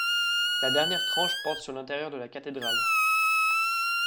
La dernière tranche porte sur l'intérieur de la cathédrale.